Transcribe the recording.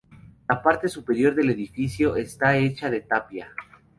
La parte superior del edificio está hecha de tapia.